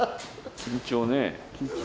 緊張ね。